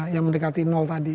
yang mendekati nol tadi